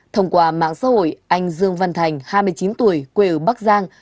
thông qua mạng xã hội anh dương văn thành hai mươi chín tuổi quê ở bắc giang